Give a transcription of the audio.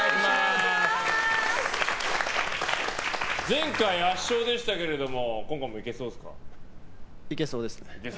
前回、圧勝でしたけれどもいけそうですね。